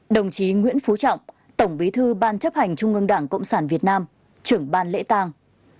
đồng chí nguyễn phú trọng tổng bí thư ban chấp hành trung ương đảng cộng sản việt nam trưởng ban lễ tang